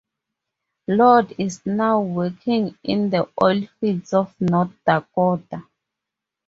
Lord is now working in the oil fields of North Dakota.